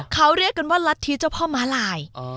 เขาเรียกกันว่ารัฐธิเจ้าพ่อม้าลาย